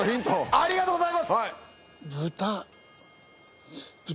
ありがとうございます！